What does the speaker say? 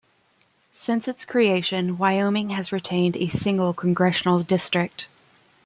Since its creation, Wyoming has retained a single congressional district.